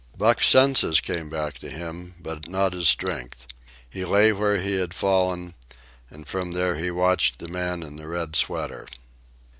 Buck's senses came back to him, but not his strength. He lay where he had fallen, and from there he watched the man in the red sweater.